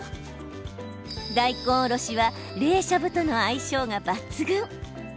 大根おろしは冷しゃぶとの相性が抜群。